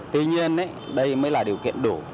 tuy nhiên đây mới là điều kiện đủ